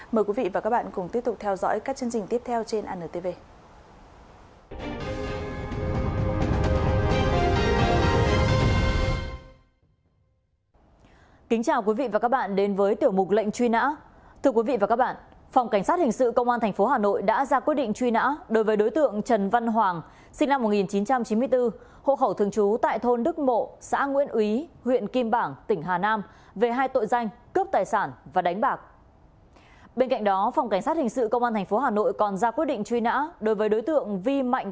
mời quý vị và các bạn cùng tiếp tục theo dõi các chương trình tiếp theo trên anntv